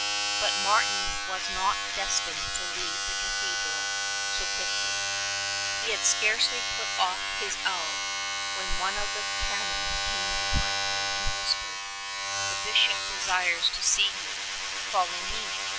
But Martin was not destined to leave the cathedral so quickly. He had scarcely put off his alb when one of the canons came behind. him and whispered, ''The Bishop de sires to see you; follow me!